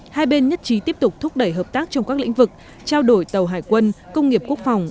hai bên nhất trí tiếp tục thúc đẩy hợp tác trong các lĩnh vực trao đổi tàu hải quân công nghiệp quốc phòng